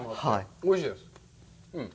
おいしいです。